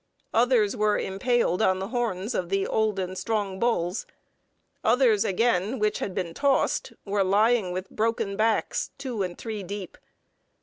Others were impaled on the horns of the old and strong bulls. Others again, which had been tossed, were lying with broken backs, two and three deep.